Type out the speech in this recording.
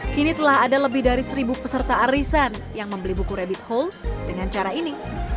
kini telah ada lebih dari seribu peserta arisan yang membeli buku rabbit hole dengan cara ini